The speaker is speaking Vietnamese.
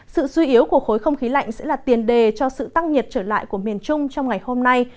sự suy yếu của khối không khí lạnh sẽ là tiền đề cho sự tăng nhiệt trở lại của miền trung trong ngày hôm nay